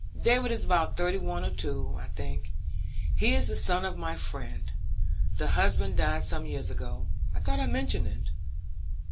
David is about thirty one or two, I think. He is the son of my friend, the husband died some years ago. I thought I mentioned it."